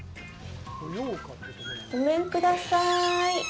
ごめんください。